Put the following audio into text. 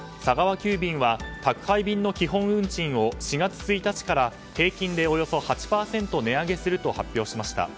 急便は宅配便の基本運賃を４月１日から平均でおよそ８％値上げすると発表しました。